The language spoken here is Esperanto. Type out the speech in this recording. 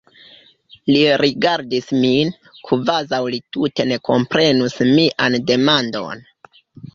Li rigardis min, kvazaŭ li tute ne komprenus mian demandon.